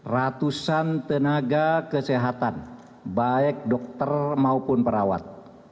ratusan tenaga kesehatan baik dokter maupun perawat